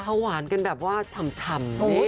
เขาหวานกันแบบว่าฉ่ำนี่